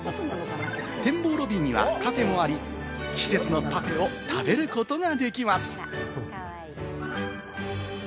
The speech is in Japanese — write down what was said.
展望ロビーにはカフェもあり、季節のパフェを食べることができます。